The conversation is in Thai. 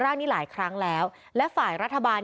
ทางคุณชัยธวัดก็บอกว่าการยื่นเรื่องแก้ไขมาตรวจสองเจน